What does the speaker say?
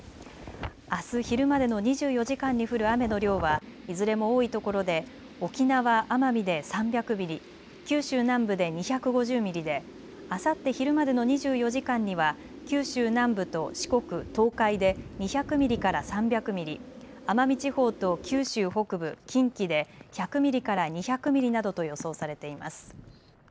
あす昼までの２４時間に降る雨の量はいずれも多いところで沖縄・奄美で３００ミリ、九州南部で２５０ミリで、あさって昼までの２４時間には九州南部と四国、東海で２００ミリから３００ミリ、奄美地方と九州北部、近畿で１００ミリから２００ミリなどと予想されています。